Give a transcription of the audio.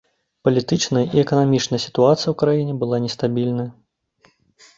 Палітычная і эканамічная сітуацыя ў краіне была нестабільная.